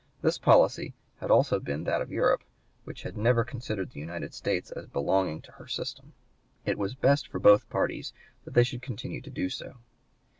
This policy had also been that of Europe, which had never considered the United States as belonging to her system.... It was best for both parties that they should continue to do so."